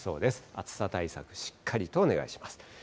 暑さ対策、しっかりとお願いします。